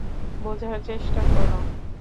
বুঝার চেষ্টা কর।